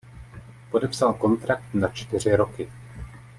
Podepsal kontrakt na čtyři roky.